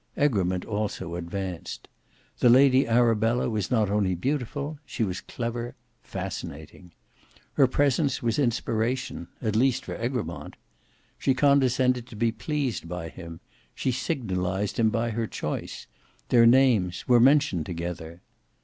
Egremont also advanced. The Lady Arabella was not only beautiful: she was clever, fascinating. Her presence was inspiration; at least for Egremont. She condescended to be pleased by him: she signalized him by her notice; their names were mentioned together.